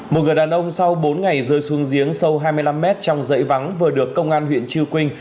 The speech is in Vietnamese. một người đàn ông sau bốn ngày rơi xuống giếng sâu hai mươi năm mét trong dãy vắng vừa được công an huyện chư quynh